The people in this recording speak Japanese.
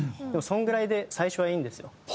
でもそれぐらいで最初はいいんですよ。